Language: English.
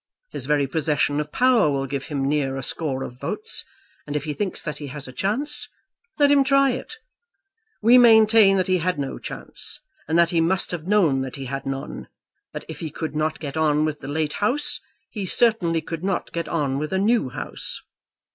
His very possession of power will give him near a score of votes, and if he thinks that he has a chance, let him try it. We maintain that he had no chance, and that he must have known that he had none; that if he could not get on with the late House, he certainly could not get on with a new House.